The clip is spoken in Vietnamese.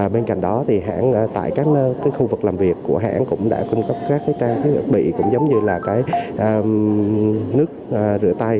bên cạnh đó hãng tại các khu vực làm việc của hãng cũng đã cung cấp các trang thiết bị cũng giống như là nước rửa tay